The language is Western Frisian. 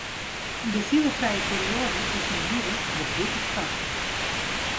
De filefrije perioade tusken de middei wurdt hieltyd koarter.